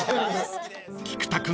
［菊田君